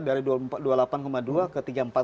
dari dua puluh delapan dua ke tiga puluh empat